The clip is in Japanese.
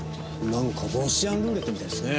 なんかロシアンルーレットみたいですね。